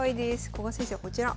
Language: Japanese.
古賀先生はこちら。